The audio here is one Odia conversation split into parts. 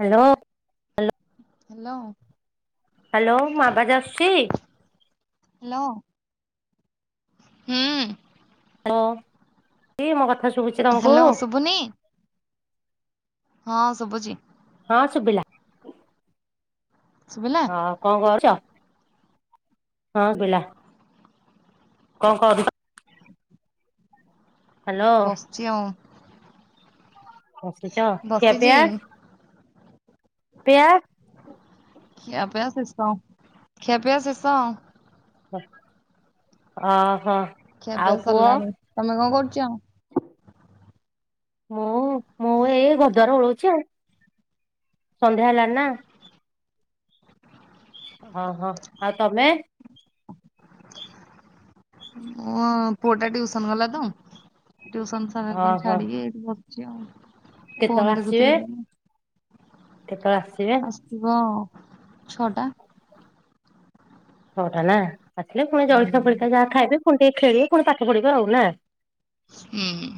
Hello hello. ହ୍ୟାଲୋ ହ୍ୟାଲୋ ମୋ ଆବାଜ଼ ଆସଛି? ହ୍ୟାଲୋ ହୁଁ। ହ ଦି ମୋ କଥା ଶୁଭୁଛି ତମକୁ? ହ୍ୟାଲୋ ଶୁଭୁନି ହଁ ଶୁଭୁଚି। ହଁ ସୁଭିଲା। ଶୁଭିଲା? ହଁ କଣ କରୁଛ? ହଁ ବିଲା। କଣ କରୁ ବସିଛି ଆଉ। ବସିଛ, ଖିଆ ବସିଛି ପିଆ? ପିଆ ଖିଆପିଆ ଶେଷ, ଖିଆପିଆ ଶେଷ। ଓ ହୋ। ଖିଆପିଆ ସରିଲାଣି। ତମେ କଣ କରୁଛ? ମୁଁ, ମୁଁ ଏଇ ଘରଦ୍ଵାରା ଓଳଉଛି ଆଉ। ସନ୍ଧ୍ୟା ହେଲାଣି ନା? ଓହୋ ଆଉ ତମେ? ହଁ ପୁଅଟା ଟ୍ୟୁସନ ଗଲା ତ, ଟ୍ୟୁସନ ସାର ଓହୋ ଛାଡିକି ଏଠି ବସିଛି ଆଉ। କେତେବେଳେ ଫୋନ ଆସିବେ ଦେଖୁଥିଲି। କେତେବେଳେ ଆସିବେ? ଆସିବ ଛଅଟା। ଛଅଟା ନା ଆସିଲେ ପୁଣି ହୁଁ। ଜଳଖିଆ ଫଳିକା ଯାହା ଖାଇବେ, ପୁଣି ଟିକେ ଖେଳିବେ, ପୁଣି ପାଠ ପଢିବେ ଆଉ ନା। ହୁଁ।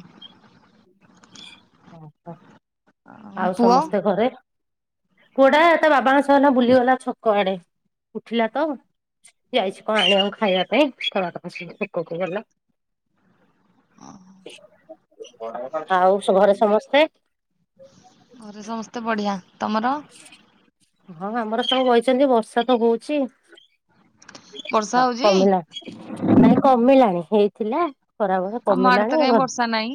ଓହ ଆଉ ପୁଅ ସମସ୍ତେ ଘରେ? ପୁଅଟା ତା ବାବାଙ୍କ ସହ ଏଈନା ବୁଲିଗଲା ଛକ ଆଡେ, ଉଠିଲା ତ। ଯାଇଛି କଣ ଆଣିବା ଖାଇବା ପାଇଁସ ପୋକକୁ ଗଲା ବଡ ବେପାର ତ ହୋଉଛି ଆଉ ଘରେ ସମସ୍ତେ ଘରେ ସମସ୍ତେ ବଢିଆ। ତମର? ହଁ ଆମର ସବୁ ବଇଛନ୍ତି ବର୍ଷା ତ ହଉଛି। ବର୍ଷା ହଁ ହଉଛି? କମିଲାଣି ମାନେ କମିଲାଣି ହେଇଥିଲା ଖରା ବଳି ଆମ ଆଡେ ତ କମିଲାଣି କାହିଁ ଘର ବର୍ଷା ନାହିଁ।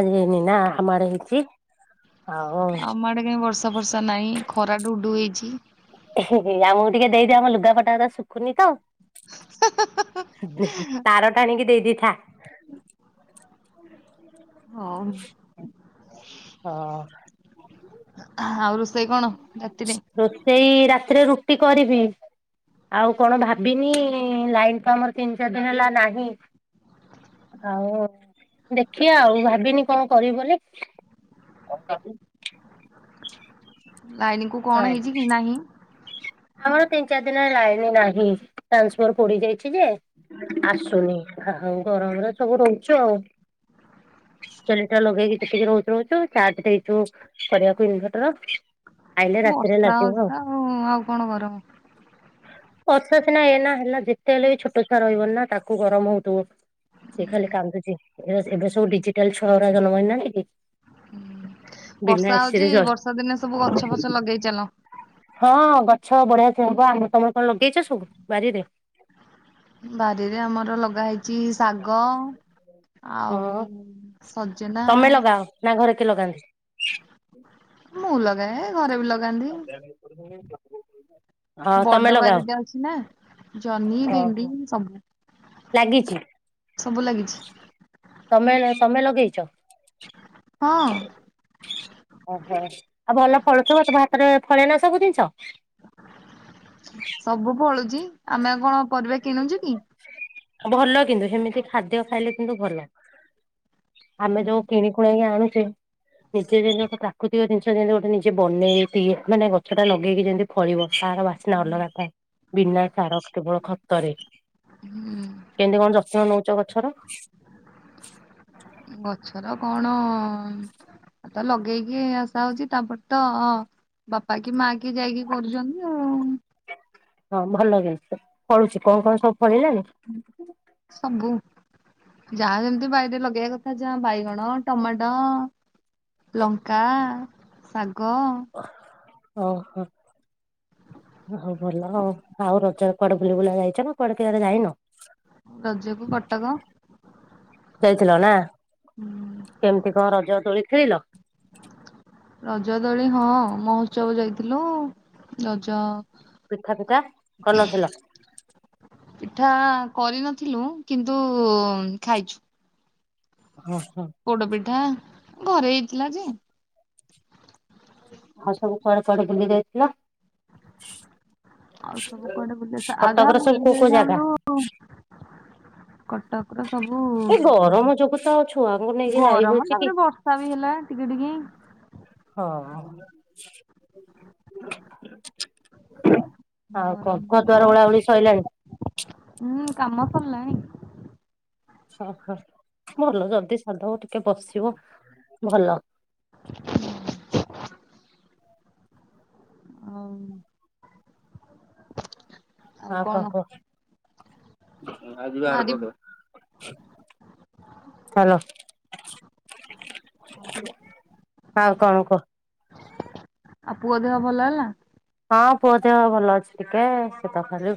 ଆଜି ହେଇନି ନା ଆମ ଆଡେ ହେଇଚି। ଆମ ଆଡେ କାଇଁ ବର୍ଷା ଫର୍ଷା ନାହିଁ ଖରା ଢୁ ଢୁ ହେଇଚି। ହେଁ ହେଁ ଆମକୁ ଟିକେ ଦେଇଦିଅ ଆମ ଲୁଗାପଟା ରା ଶୁଖୁନି ତ ତାର ଟାଣି କି ଆଣିକି ଦେଇ ଥା। ହଉ। ହଁ। ଆଉ ରୋ ରୋଷେଇ ରାତିରେ ରୁଟି କରିବି। ଆଉ କଣ ଭାବିନି ଲାଇନ୍ ତ ଆମର ତିନି ଚାରି ଦିନ ହେଲା ନାହିଁ। ଆଉ ଦେଖିବା ଆଉ ଭାବିନି କଣ କରିବି ବୋଲି [inaudible] ଲାଇନ କୁ ହଁ କଣ ହେଇଚି କି ନାହିଁ? ଆମର ତିନି ଚାରି ଦିନ ଲାଇନ ନାହିଁ ଟ୍ରାନ୍ସଫର୍ ପୋଡି ଯାଇଛି ଯେ ଆସୁନି। ହଉ ଗରମରେ ସବୁ ରହୁଛୁ ଆଉ। ଜେନିଟର ଲଗେଇକିି ଯେତିକି ରହୁଛୁ ରହୁଛୁ ଚାର୍ଜ ଦେଇଛୁ, କରିବାକୁ ଇନଭେର୍ଟର ବର୍ଷା ହଉଚି ତ ଆଉ ଆଉ କଣ କରବ? ବର୍ଷା ସିନା ଏଇନା ହେଲା ଯେତେ ହେଲେ ବି ଛୋଟ ଛୁଆ ରହିବନି ନା ତାକୁ ଗରମ ହଉଥିବ। ସେ ଖାଲି କାନ୍ଦୁଚି ଏ ଏବେ ସବୁ ଡିଜିଟାଲ ଛୁଆ ଗୁରା ଜନ୍ମ ହୋଇନାହାନ୍ତି କି? ବିନା ବର୍ଷା ଏସିରେ ହଉଚି ଚଳୁ। ବର୍ଷା ଦିନେ ସବୁ ଗଛ ଫଛ ଲଗେଇ ଚାଲ ହଁ ଗଛ ବଢିଆ ସେ ହବ ଆମ ତମର କଣ ଲଗେଇଚ ସବୁ ବାରିରେ? ବାରିରେ ଆମର ଲଗା ହେଇଚି ଶାଗ ହଁ। ଆଉ ସଜନା ତମେ ଲଗାଅ ନା ଘରେ କିଏ ଲଗାନ୍ତି? ମୁଁ ଲଗାଏ ଘରେ ବି ଲଗା [inaudible] ହଁ ତମେ ବଡ ଲଗାଅ ବାରିଟେ ଅଛି ନା ଜହ୍ନି, ଓହୋ ଭେଣ୍ଡି ସବୁ ଲାଗିଛି। ସବୁ ଲାଗିଛି ତମେ ତମେ ଲଗେଇଚ? ହଁ। ଓହୋ ଆଉ ଭଲ ଫଳୁଥିବ ତୁମ ହାତରେ ଫଳେ ନା ସବୁ ଜିନିଷ? ସବୁ ଫଳୁଛି ଆମେ ଆଉ କଣ ପରିବା କିଣୁଚୁ କି? ଭଲ କିନ୍ତୁ ହେମିତି ଖାଦ୍ୟ ଖାଇଲେ କିନ୍ତୁ ଭଲ। ଆମେ ଯୋଉ କିଣିକୁୁଣାକି ଆଣୁଚେ ନିଜେ ଯେମିତି ଗୋଟେ ପ୍ରାକୃତିକ ଜିନିଷ ଯେମିତି ଗୋଟେ ନିଜେ ବନେଇକି ମାନେ ଗଛ ଟା ଲଗେଇକି ଯେମିତି ଫଳିବ ତାର ବାସନା ଅଲଗା ଥାଏ ବିନା ସାର କେବଳ ଖତରେ ହୁଁ କେମିତି କଣ ଯତ୍ନ ନଉଚ ଗଛର? ଥର କଣ ଆ ତ ଲଗେଇକି ଆସା ହଉଚି ତାପରେ ତ ବାପା କି ମା କି ଯାଇକି କରୁଚନ୍ତି ଆଉ। ହଁ ଭଲ କି ଫଳୁଛି କଣ କଣ ସବୁ ଫଳିଲାଣିି? ସବୁ। ଯାହା ଯେମିତି ବାଇରେ ଲଗେଇବା କଥା ଯା ବାଇଗଣ, ଟମାଟୋ ଲଙ୍କା, ଶାଗ ଓହୋ। ହଉ ଭଲ ଆଉ ଆଉ ରଜରେ କୁଆଡେ ବୁଲି ବୁଲା ଯାଇଚ ନା କୁଆଡେ କୁଆଡେ ଯାଇନ? ରଜକୁ କଟକ। ଥିଲ ନା କେମିତି କଣ ରଜ ଦୋଳି ଖେଳିଲ? ରଜ ଦଳି ହଁ ମହୋତ୍ସବ ଯାଇଥିଲୁ ରଜ ପିଠା ପିଠା କରିନଥିଲ? ପିଠା କରିନଥିଲୁ କିନ୍ତୁ ଖାଇଛୁ ହଁ ହଁ ପୋଡ ପିଠା ଘରେ ହେଇଥିଲା ଯେ ଆଉ ସବୁ କୁଆଡେ କୁଆଡେ ବୁଲି ଯାଇଥିଲ? ଆଉ ସବୁ କୁଆଡେ ବୁଲି ଆଉ ଯାହା କଟକ ର ବୁଲି ସବୁ କୋଉ କୋଉ ଜାଗା? ଯାଇଥାନ୍ତୁ କଟକ ର ସବୁ ଏଇ ଗରମ ଯୋଗୁ ତ ଛୁଆଙ୍କୁ ନେଇକି ଯାଇ ଗରମ ହଉଛି କି ତାପରେ ବର୍ଷା ବି ହେଲା ଟିକେ କିଡିିକି। ହଁ। ଆଉ କ ଗରମ ବି ଘ ହେଲା। ଦୁଆର ଓଳା ଉଳି ସରଲାଣି। ହୁଁ କାମ ସରିଲାଣୀ। ଓହୋ ଭଲ ଜଲଦି ସାରିଦବ ଟିକେ ବସିବ ଭଲ। [inaudible] ହଉ [inaudible] ହାଁ କ କ ଆଜିି ବହାର ଭାରି କଦବା ହାଲୋ। ଆଉ କଣ କହ? ଆ ପୁଅ ଦେହ ଭଲ ହେଲା? କ ସେତ ଖାଲି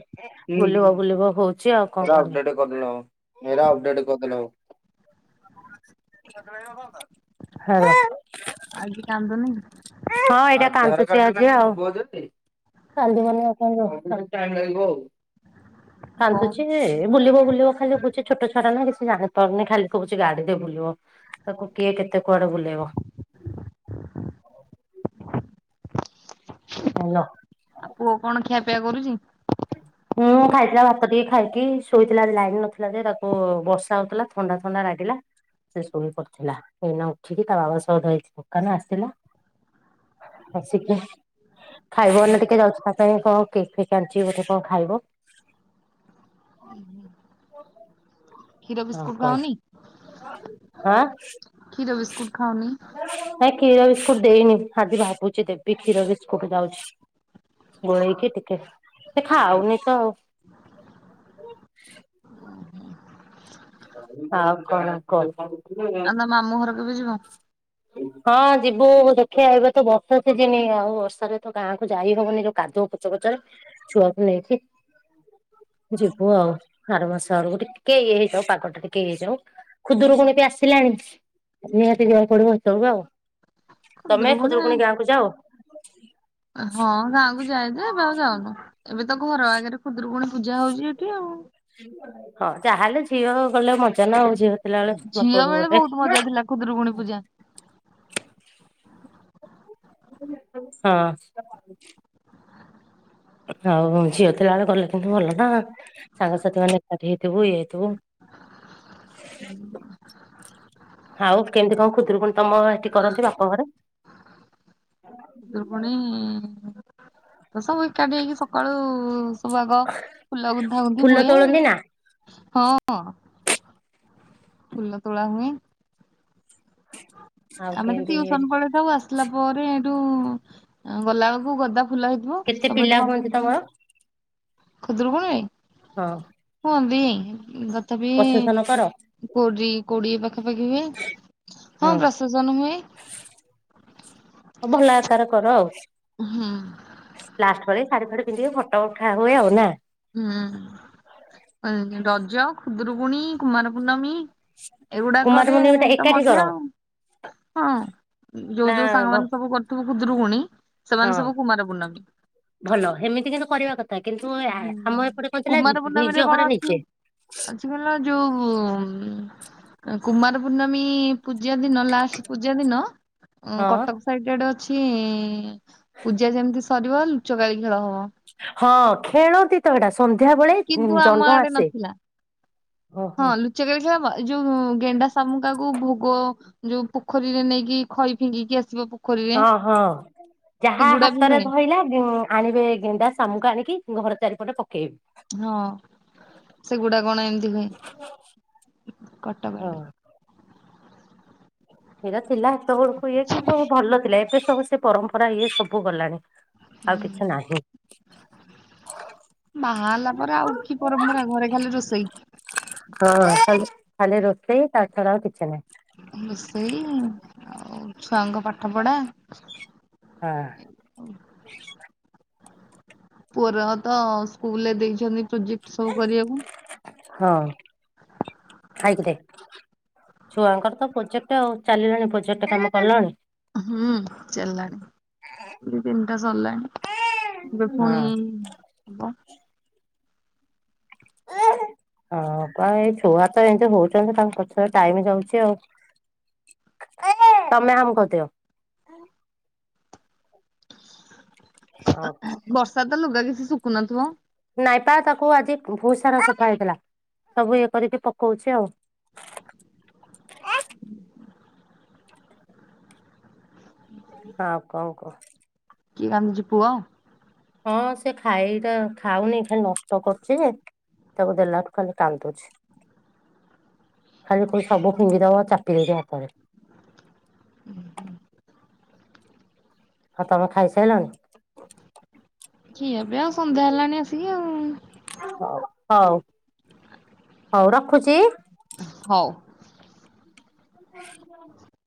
ବୁଲିବ ବୁଲିବ ହଉଛି ଆଉ କଣ। ହେରା ଅପ୍ଡେଟ୍ କରିଦେଲେ ହବ। ହଁ। [unintelligible] ଆଜି କାନ୍ଦୁନି? ହଁ ଏଇଟା କାନଛି ଆଜି ଆଉ। [unintelligible] କାଲି ଆମ [inaudible] କଣ କାନ୍ଦୁଛି ଏ ବୁଲିବ ବୁଲିବ ଖାଲି କୁଛି ଛୋଟ ଛୁଅଟା ନା କିଛି ଜାଣି ପାରୁନି ଖାଲି କହୁଚି ଗଡିରେ ବୁଲିବ ତାକୁ କିଏ କେତେ କୁଆଡେ ବୁଲେଇବ ଅହ୍। ହେଲ ଆ ପୁଅ କଣ ଖିଆପିଆ କରୁଛି? ହୁଁ ଖାଇଥିଲା ଭାତ ଟିକେ ଖାଇକି ଶୋଇଥିଲା ଲାଇନ୍ ନଥିଲା ଯେ ତାକୁ ବର୍ଷା ହଉଥିଲା ଥଣ୍ଡା ଥଣ୍ଡା ଲାଗିଲା। ସେ ଶୋଇ ପଡ଼ିଥିଲା ଏଇନା ଉଠିକି ତା ବାବା ସହ ଯାଇଛି ଦୋକାନ ଆସିଥିଲା। ଆସିକି ଖାଇବ ଲେ ଟିକେ ଯାଉଛି ତା ପାଇଁ କଣ କେକ୍ ଫେକ୍ ଆଣୁଚି ଟେ ଗୋଟେ କଣ ଖାଇବ। କ୍ଷୀର ଆଉ ବିସ୍କୁଟ କଣ ଖାଉନି? ଆଁ। କ୍ଷୀର ବିସ୍କୁଟ୍ ଖାଉନି? କିର ବିସ୍କୁଟ ଦେଇନି ହାଦି ଭାବୁଛି ଦେବେ କ୍ଷୀର ବିସ୍କୁଟ୍ ଯାଉଛି। ଗୋଳେଇକି ଟିକେ ସେ ଖାଉଁନିତ ଆଉ। [unintelligible] ହଁ କଣ କଲ୍। ଆମ ମାମୁଁ ଘରକୁ କେବେ ଯିବ। ହଁ ଯିବୁ ଦେଖିବାଆ ଏବେ ତ ବର୍ଷା ସିଯିନି ଆଉ ବର୍ଷାରେ ତ ଗାଁକୁ ଯାଇ ହବନି ଯୋଉ କାଦୁଅ ପଚପଚ ତାର ଛୁଆକୁ ନେଇକି। ଯିବୁ ଆଉ ଆର ମାସ ଆରକୁ ଟିକେ ଇଏ ହେଇ ଥାଉ ପା ଆଟ ଟିକେ ହେଇଯାଉ ଖୁଦରୁକୁଣୀ ପି ଆସିଲାଣି ନିହାତି ଜିବାକୁ ପଡିବ ହେତ ବଳକୁ ଆଉ। ତମେ ଖୁଦୁରୁକୁଣୀ ଖୁଦୁରକୁଣୀ ଗାଁ କୁ ଯାଉ? ହଁ ଗାଁକୁ ଯାଇ ଯେ ଏବେ ଆଉ ଯାଉନୁ ଏବେ ତ ଘର ଆଗରେ ଖୁଦୁରୁକୁଣୀ ପୂଜା ହଉଛି ଏଠି ଆଉ। ହଁ ଯାହାହେଲେ ଝିଅ ଗଲେ ମଜା ନା ଆଉ ଜିଅ ଥିଲା ବେଳେ ଝିଅ ବାପଘରକୁ ବେଳେ ବହୁତ ମଜା ଥିଲା ଖୁଦୁରୁକୁଣୀ ଗଲେ ପୂଜା [inaudible] ହଁ। ହଉ ଝିଅ ଥିଲାବେଳେ ଗଲେତ ଭଲ ନା ଆଉ ସାଙ୍ଗସାଥି ମାନେ ଏକାଠି ହେଇଥିବୁ ଇଏ ହେଇଥିବୁ। [inaudible] ଆଉ କେମିତି କଣ ଖୁଦରୁକୁଣ ତମ ହେଟି କରନ୍ତି ବାପ ଘରେ? ଖୁଦୁରୁକୁଣୀ ତ ସବୁ ଏକାଠି ହେଇକି ସକାଳୁ ସବୁ ଆଗ ଫୁଲ ଗୁନ୍ଥାଗୁନ୍ଥି ଫୁଲ ହୁଏ, ତୋଳନ୍ତି ନା ହଁ ଫୁଲ ତୋଳା ହୁଏ ଆଉ ଆମେ ତ କେମିତି ଟିଉସନ ପଳେଇଥାଉ ଆସିଲା ପରେ ହେଇଠୁ ଗଲାବେଳକୁ ଗଦା ଖୁଲା ହେଇଥିବ କେତେ ସବୁ ପିଲା ଏଇଠି ବ ହୁଅନ୍ତି ତମର? ଖୁଦୁରକୁୁଣୀ ଆ ଇ ହଁ। [unintelligible] ପ୍ରଶେସନ କର? କୋଡି କୋଡିଏ ପାଖାପାଖି ହୁଏ, ହଁ, ପ୍ରଶେସନ ହୁଏ। [inaudible] ହଉ ଭଲ ଆ ତାର କର ଆଉ ହୁଁ ଲାଷ୍ଟ ପରେ ଶଢୀ ଫାଢୀ ପିନ୍ଧିବେ ଫଟୋ ଉଠା ହୁଏ, ଆଉ ନା ହୁଁ। ରଜ, ଖୁଦୁରୁକୁୁଣୀ, କୁମାର ପୂର୍ଣ୍ଣମୀ କୁମାର ଏଗୁଡାକରେ ପୁର୍ଣିମା ଟା ତ ଏକାଠି ମଜା କର ଆଉ। ହଁ, ଯୋଉ ନା ଯୋଉ ସାଙ୍ଗମାନେ ସବୁ କରୁଥିବେ ଖୁଦରୁକୁଣୀ ହଁ ଭଲ ଏମିତି କିନ୍ତୁ କରିବା କଥା। କିନ୍ତୁ ଆମ ଏପଟେ କଣ ଥିଲା କୁମାର ନିଜ ପୂର୍ଣ୍ଣମୀରେ କଣ ଘରେ ନିଜେ ଅଛି କହିଲ? ଯୋଉ କୁମାର ପୂର୍ଣ୍ଣମୀ ପୂଜା ଦିନ ଲାଷ୍ଟ ପୂଜା ଦିନ ହଁ କଟକ ସାଇଡ ଆଡେ ଅଛି ପୂଜା ଯେମିତି ସରିବ ଲୁଚକାଳି ଖେଳ ହବ। ହଁ, ଖେଳନ୍ତି ତ ହେଇଟା ସନ୍ଧ୍ୟାବେଳେ କିନ୍ତୁ ଆମ ଜହ୍ନ ଆଡେ ଆସେ। ନଥିଲା ହଁ ଓହୋ। ଲୁଚା କାଳୀ ଖେଳ ମ ଯୋଉ ଗେଣ୍ଡା ଶାମୁକାକୁ ଭୋଗ, ଯୋଉ ପୋଖରୀରେ ନେଇକି ଖଇ ଫିଙ୍ଗିକି ଆସିବ ପୋଖରୀରେ ହଁ, ହଁ ଯାହା ସେଗୁଡା ବି ହାତରେ ହୁଏ ଧଇଲା ଉଁ ଆଣିବେ ଗେଣ୍ଡା ସାମୁକା ଆଣିକି ଘର ଚାରିପଟେ ପକେଇବ ହଁ, ସେଗୁଡା କଣ ଏମିତି ହୁଏ। କଟକ ହଁ। ରେ ସେଇଟା ଥିଲା ସେତେବେଳକୁ ଇଏ କିନ୍ତୁ, ସବୁ ଭଲ ଥିଲା। ଏବେ ସବୁ ସେ ପରମ୍ପରା ଇଏ ସବୁ ଗଲାଣି ଆଉ କିଛି ହୁଁ ନାହିଁ। ବାହାହେଲା ପରେ ଆଉ କି ପରମ୍ପରା ଘରେ ଖାଲି ରୋଷେଇ ହଁ ଖାଲି ଖାଲି ରୋଷେଇ, ତା ଛଡା ଆଉ କିଛି ନାହିଁ। ରୋଷେଇ ଆଉ ଛୁଆଙ୍କ ପାଠପଢ଼ା ହଁ ପୁଅର ତ ସ୍କୁଲରେ ଦେଇଛନ୍ତି ପ୍ରୋଜେକ୍ଟ ସବୁ କରିବାକୁ। ହଁ। [inaudible] ଛୁଆଙ୍କର ତ ପ୍ରୋଜେକ୍ଟ। ଆଉ ଚାଲିଲାଣି ପ୍ରୋଜେକ୍ଟ କାମ କଲଣି? ହୁଁ, ଚାଲିଲାଣି। ଦି, ତିନିଟା ସରିଲାଣି। ଏବେ ପୁଣି ହଁ। ହବ [inaudible] ହଁ, କୁଆଡେ ଏଇ ଛୁଆ ତ ଏମତି ହଉଛନ୍ତି, ତାଙ୍କ ପଛରେ ଟାଇମ ଯାଉଛି। ଆଉ ହଇରେ ତମେ ହାମୁ କରିଦିଅ। ଏ ହଁ ଏଁହେ ବର୍ଷା ତ ଲୁଗା କିଛି ଶୁଖୁନଥିବ? ନାଇଁ ପା ତାକୁ ଆଜି ବହୁତ ସାରା ସଫା ହେଇଥିଲା। ସବୁ ଇଏ କରିକି ପକଉଛି ଆଉ ଆଉ, କଣ କହ? କିଏ କାନ୍ଦୁଚି, ପୁଅ? ହଁ, ସେ ଖାଇଟା ଖାଉନି ଖାଲି ନଷ୍ଟ କରୁଛି। ଯେ ତାକୁ, ଦେଲାଠୁ ଖାଲି କାଢ଼ିଦଉଚି। ଖାଲି କହୁଚି ସବୁ ଫିଙ୍ଗିଦବ। ଚାପି ଦେବି ହାତାରେ [unintelligible] ହଁ ତମେ ଖାଇସାରିଲଣି। କିଆ ବ୍ୟାଆ ସଣା ହେଲାଣି ଆସିକି। ହଉ ହଉ ରଖୁଛି। ହଉ। [unintelligible]